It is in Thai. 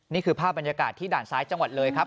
นี่คือภาพบรรยากาศที่ด่านซ้ายจังหวัดเลยครับ